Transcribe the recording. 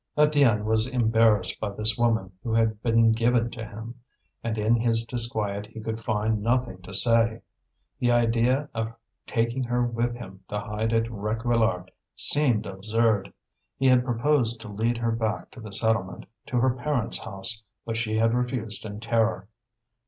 Étienne was embarrassed by this woman who had been given to him, and in his disquiet he could find nothing to say. The idea of taking her with him to hide at Réquillart seemed absurd. He had proposed to lead her back to the settlement, to her parents' house, but she had refused in terror.